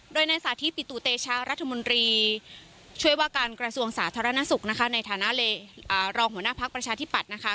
โดยในสาธิปิตุเตชะรัฐมนตรีช่วยว่าการกระทรวงสาธารณสุขนะคะในฐานะรองหัวหน้าพักประชาธิปัตย์นะคะ